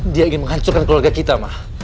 dia ingin menghancurkan keluarga kita mah